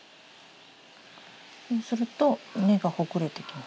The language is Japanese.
そうすると根がほぐれてきます。